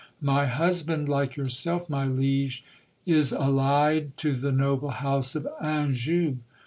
My husband, like yourself, my liege, is allied to the noble house of Anjou.